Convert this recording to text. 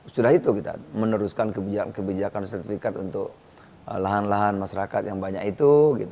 sudah itu kita meneruskan kebijakan sertifikat untuk lahan lahan masyarakat yang banyak itu